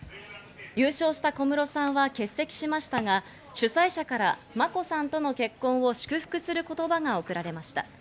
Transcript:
優勝した小室さんは欠席しましたが、主催者から眞子さんとの結婚を祝福する言葉がおくられました。